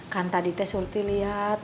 kan tadi teh surti liat